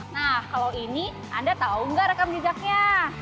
nah kalau ini anda tahu nggak rekam jejaknya